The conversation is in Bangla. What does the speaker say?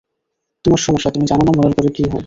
তোমার সমস্যা, তুমি জান না মরার পরে কি হয়।